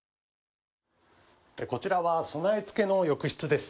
こちらは備え付けの浴室です。